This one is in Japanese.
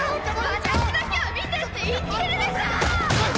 私だけを見てって言ってるでしょ！